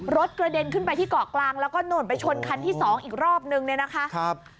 กระเด็นขึ้นไปที่เกาะกลางแล้วก็โน่นไปชนคันที่สองอีกรอบนึงเนี่ยนะคะ